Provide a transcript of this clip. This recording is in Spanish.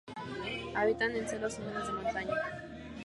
Habitan en selvas húmedas de montaña.